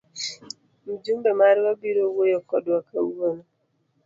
Mjumbe marwa biro wuoyo kodwa kawuono.